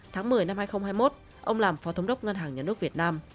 tháng một mươi năm hai nghìn hai mươi một ông làm phó thống đốc ngân hàng nhà nước việt nam